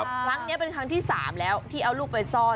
ครั้งนี้เป็นครั้งที่๓แล้วที่เอาลูกไปซ่อน